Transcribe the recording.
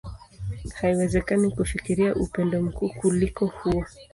Haiwezekani kufikiria upendo mkuu kuliko huo.